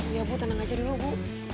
ya bu tenang aja dulu bu